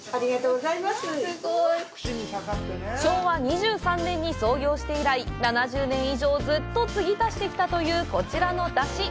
昭和２３年に創業して以来７０年以上ずっと継ぎ足してきたというこちらの出汁。